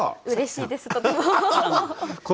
うれしいです。